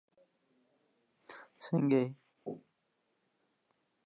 د بایسکل غږ هغه له خپلو تورو خیالونو راویښ کړ.